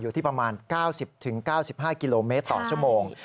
อยู่ที่ประมาณ๙๐๙๕กิโลเมตรต่อชั่วโมง